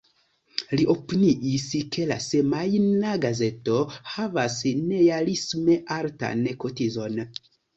Li opiniis, ke la semajna gazeto havas nerealisme altan kotizon.